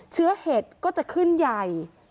เชื้อเห็ดก็จะขึ้นใย